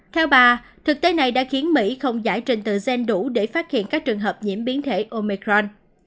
theo bà thực tế này đã khiến mỹ không giải trình tự gen đủ để phát hiện các trường hợp nhiễm biến thể omecron